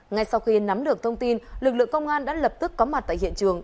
ngay sau khi nắm được thông tin lực lượng công an đã lập tức có mặt tại hiện trường